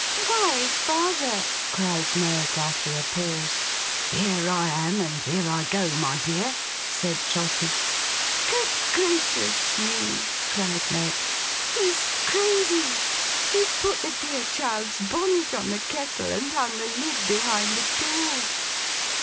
'Why, father!' cried Meg, after a pause. 'Here I am and here I go, my dear!' said Trotty. 'Good Gracious me!' cried Meg. 'He's crazy! He's put the dear child's bonnet on the kettle, and hung the lid behind the door!